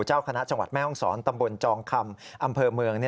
เจ้าคณะจังหวัดแม่ห้องศรตำบลจองคำอำเภอเมือง